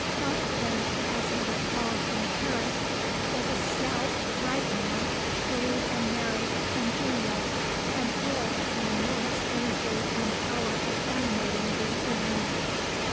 Father Finch, as he was called in the parish, was a stout, bright man, shrewd, and merry, and genial, and full of an immense energy and power of animating the inanimate.